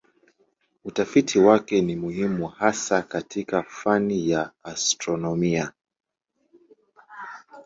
Utafiti wake ni muhimu hasa katika fani ya astronomia.